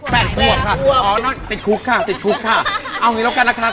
แปลงทั่วค่ะติดคลุกค่ะเอาอย่างนี้แล้วกันนะคะ